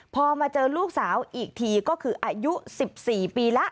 พอมาเจอลูกสาวอีกทีก็คืออายุ๑๔ปีแล้ว